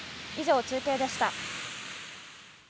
以上、中継でした。